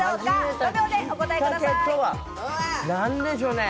５秒でお答えください。